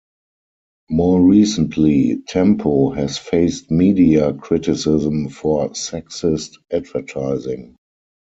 More recently, Tempo has faced media criticism for "sexist" advertising.